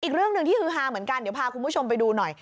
อีกเรื่องหนึ่งที่ฮือฮาเหมือนกันเดี๋ยวพาคุณผู้ชมไปดูหน่อย